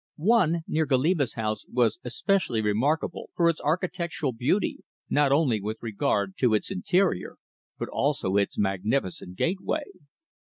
One, near Goliba's house, was especially remarkable for its architectural beauty, not only with regard to its interior, but also its magnificent gateway.